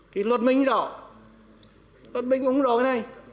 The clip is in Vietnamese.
thì luật minh rõ luật minh cũng rõ cái này